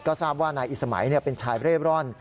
ก็ทราบว่านายอิสมัยเป็นชายเร่ร่อน